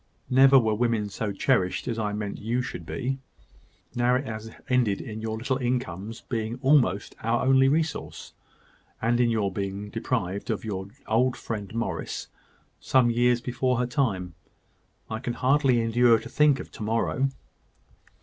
Never were women so cherished as I meant that you should be. And now it has ended in your little incomes being almost our only resource, and in your being deprived of your old friend Morris, some years before her time. I can hardly endure to think of to morrow."